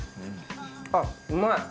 あっうまい。